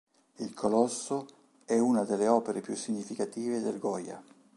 Il colosso è una delle opere più significative del Goya.